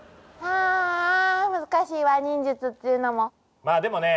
はぁ難しいわ忍術っていうのも。